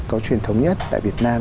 có truyền thống nhất tại việt nam